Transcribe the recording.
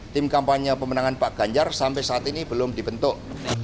tim kampanye pemenangan pak ganjar sampai saat ini belum dibentuk